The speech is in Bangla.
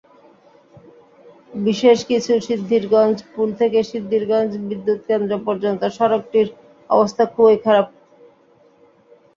বিশেষ করে সিদ্ধিরগঞ্জ পুল থেকে সিদ্ধিরগঞ্জ বিদ্যুৎকেন্দ্র পর্যন্ত সড়কটির অবস্থা খুবই খারাপ।